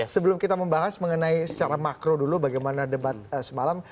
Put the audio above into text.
sebelum kita membahas mengenai secara makro dulu bagaimana debat semalam